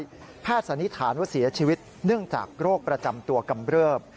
แพทย์สันนิษฐานว่าเสียชีวิตเนื่องจากโรคประจำตัวกำเริบ